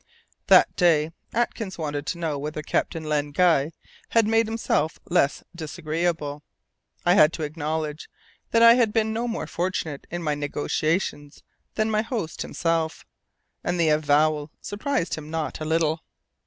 That day, Atkins wanted to know whether Captain Len Guy had made himself less disagreeable. I had to acknowledge that I had been no more fortunate in my negotiations than my host himself, and the avowal surprised him not a little.